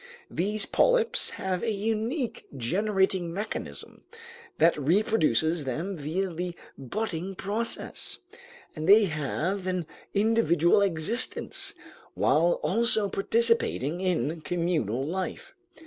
These polyps have a unique generating mechanism that reproduces them via the budding process, and they have an individual existence while also participating in a communal life.